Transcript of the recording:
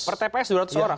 per tps dua ratus orang